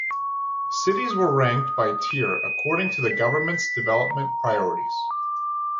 Cities were ranked by tier according to the government's development priorities.